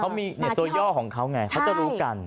เขามีตัวย่อของเขาไงเขาจะรู้กัน